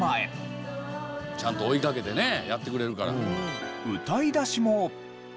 ちゃんと追いかけてねやってくれるから。